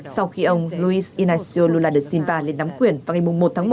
sau khi ông luis inacio lula de silva lên nắm quyền vào ngày một tháng một